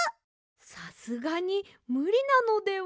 さすがにむりなのでは。